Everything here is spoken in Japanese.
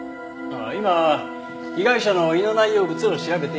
今被害者の胃の内容物を調べています。